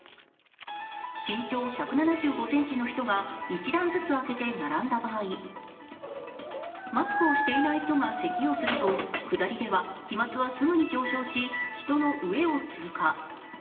身長１７５ｃｍの人が１段ずつ空けて並んだ場合、マスクをしていない人がせきをすると下りでは飛まつはすぐに上昇し人の上を通過。